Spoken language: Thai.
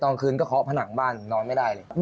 ตอนคืนก็ข้อผนังบ้านนอนไม่ได้เลย